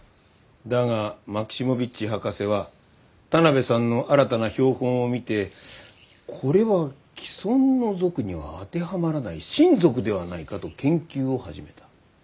だがマキシモヴィッチ博士は田邊さんの新たな標本を見てこれは既存の属には当てはまらない新属ではないかと研究を始めた。